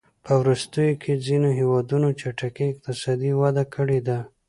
په وروستیو کې ځینو هېوادونو چټکې اقتصادي وده کړې ده.